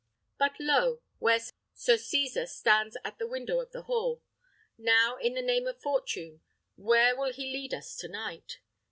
But, lo! where Sir Cesar stands at the window of the hall. Now, in the name of fortune, where will he lead us to night?